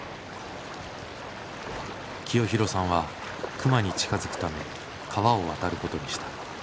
清弘さんは熊に近づくため川を渡ることにした。